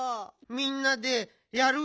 みんなでやる。